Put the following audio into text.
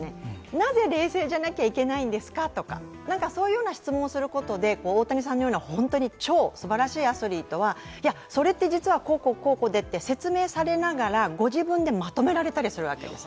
なぜ冷静でなきゃいけないんですかとか、そういう質問をすることでオオタニサンのような本当に超すばらしいアスリートはそれって実は、こうこうでと説明されながら、ご自分でまとめられたりするわけです。